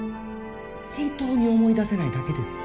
本当に思い出せないだけです。